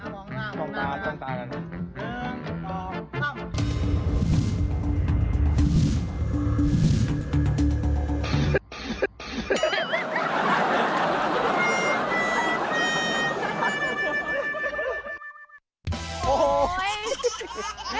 เอามาคุณล่ะมาคุณล่ะคุณล่ะนะคะหนึ่งสองสาม